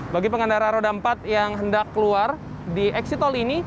bagi pengendara roda empat yang hendak keluar di eksit tol ini